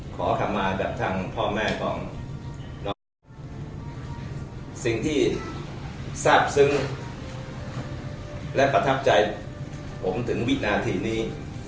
ขอคำมาแบบทางพ่อแม่ของน้องสิ่งที่ทราบซึ้งและประทับใจผมถึงวินาทีนี้